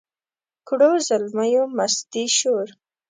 کړو زلمیو مستي شور